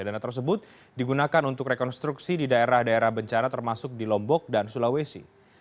dana tersebut digunakan untuk rekonstruksi di daerah daerah bencana termasuk di lombok dan sulawesi